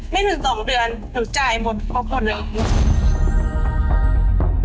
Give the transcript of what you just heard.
ไม่ถึง๒เดือนถึงจ่ายหมดทุกคนเลย